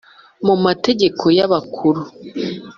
mu mategeko y’abakuru